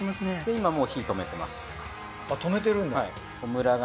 今もう火止めてます。